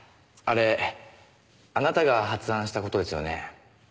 あれあなたが発案した事ですよね？